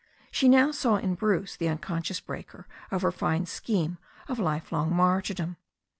She now saw in Bruce the unconscious breaker of her fine scheme of life long martyrdom.